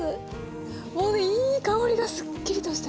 もういい香りがすっきりとした。